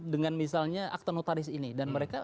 dengan misalnya akte notaris ini dan mereka